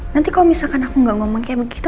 nanti kalau misalkan aku gak ngomong kayak begitu